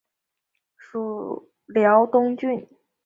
属辽东郡。